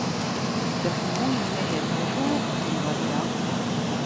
Dda Ḥemmu inna-yas: D acu i ɣ-txedmeḍ akka?